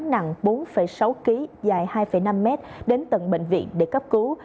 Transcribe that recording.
nặng bốn sáu kg dài hai năm m đến tận bệnh viện để cấp cứu